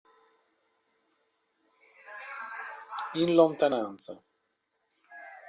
In lontananza.